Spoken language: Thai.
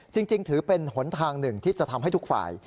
จริงถือเป็นหนทางหนึ่งที่จะทำให้ทุกฝ่าย